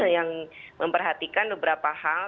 yang memperhatikan beberapa hal